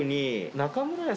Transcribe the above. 中村屋。